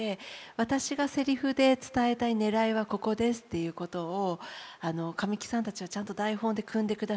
私がセリフで伝えたいねらいはここですっていうことを神木さんたちはちゃんと台本でくんでくださるので。